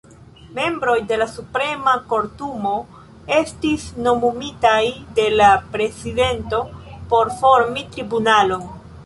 Membroj de la Suprema Kortumo estis nomumitaj de la prezidento por formi tribunalon.